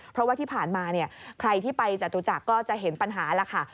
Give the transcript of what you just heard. เพราะว่าที่ผ่านมาเนี่ยใครที่ไปจตุจักรก็จะเห็นปัญหาแล้วค่ะ